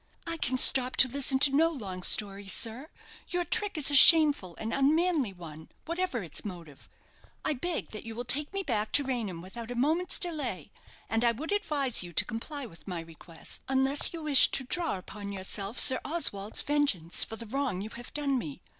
"I can stop to listen to no long stories, sir. Your trick is a shameful and unmanly one, whatever its motive. I beg that you will take me back to Raynham without a moment's delay; and I would advise you to comply with my request, unless you wish to draw upon yourself Sir Oswald's vengeance for the wrong you have done me.